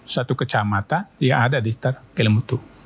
satu kecamatan yang ada di kelemutu